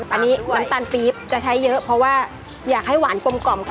อันนี้น้ำตาลปี๊บจะใช้เยอะเพราะว่าอยากให้หวานกลมกล่อมค่ะ